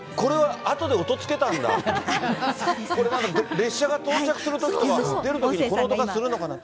列車が到着するときとか、出るときにこの音がするのかなって。